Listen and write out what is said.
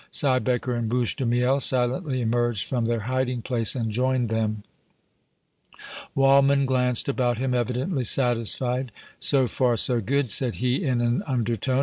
Siebecker and Bouche de Miel silently emerged from their hiding place and joined them. Waldmann glanced about him, evidently satisfied. "So far so good," said he, in an undertone.